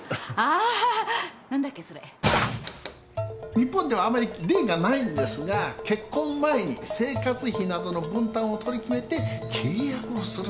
日本ではあまり例がないんですが結婚前に生活費などの分担を取り決めて契約をするんですな。